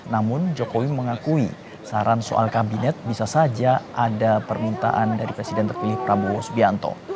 namun jokowi mengakui saran soal kabinet bisa saja ada permintaan dari presiden terpilih prabowo subianto